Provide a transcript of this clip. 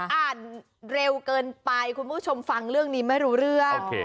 อ่านเร็วเกินไปคุณผู้ชมฟังเรื่องนี้ไม่รู้เรื่อง